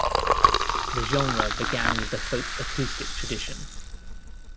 The genre began with the folk-acoustic tradition.